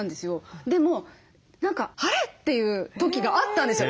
でも何かあれ？っていう時があったんですよ。